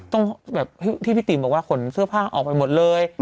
แบบที่พี่ติ๋มบอกว่าขนเสื้อผ้าออกไปหมดเลย